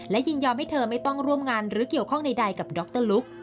และยินยอมให้เธอไม่ต้องร่วมงานหรือเกี่ยวข้องใดกับดรลุค